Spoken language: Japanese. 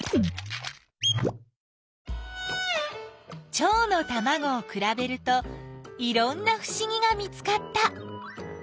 チョウのたまごをくらべるといろんなふしぎが見つかった。